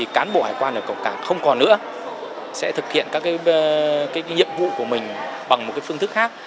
cán bộ hải quan ở cổng cảng không còn nữa sẽ thực hiện các nhiệm vụ của mình bằng một phương thức khác